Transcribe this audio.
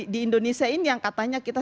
di indonesia ini yang katanya kita